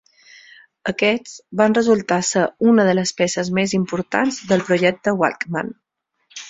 Aquests van resultar ser una de les peces més importants del projecte Walkman.